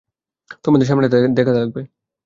তোমার সামনেটা দেখা লাগবে।